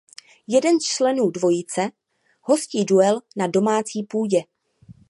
Jeden z členů dvojice hostí duel na domácí půdě.